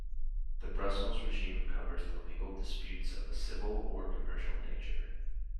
The Brussels Regime covers legal disputes of a civil or commercial nature.